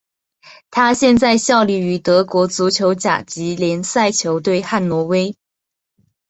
他现在效力于德国足球甲级联赛球队汉诺威。